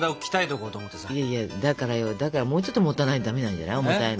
いやいやだからよだからもうちょっと持たないとダメなんじゃない？